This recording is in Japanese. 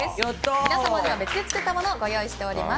皆様には別で作っておいたものをご用意しております。